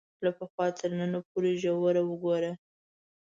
له پخوا تر ننه پورې ژوره وګورو